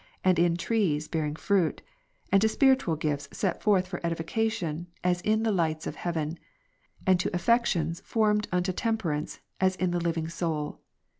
and in trees bearing fruit ; and to spiritual gifts set forth for edification, as in the lights of heaven ; and to affections formed unto temper ance, as in the living soul.